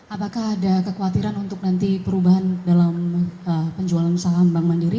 apakah ada kekhawatiran untuk nanti perubahan dalam penjualan saham bank mandiri